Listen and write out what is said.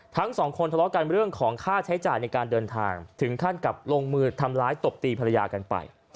ทั้งสองคนทะเลาะกันเรื่องของค่าใช้จ่ายในการเดินทางถึงขั้นกับลงมือทำร้ายตบตีภรรยากันไป